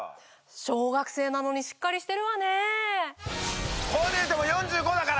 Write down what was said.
小学生なのにしっかりしてるわね。